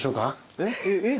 えっ？